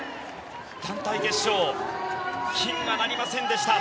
団体決勝金はなりませんでした。